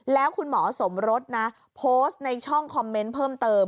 แล้วคุณหมอสมรสนะโพสต์ในช่องคอมเมนต์เพิ่มเติม